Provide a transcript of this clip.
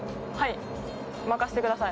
任せてください。